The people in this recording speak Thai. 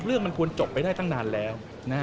เรื่องมันควรจบไปได้ตั้งนานแล้ว